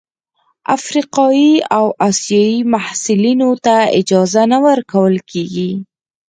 افریقايي او اسیايي محصلینو ته اجازه نه ورکول کیږي.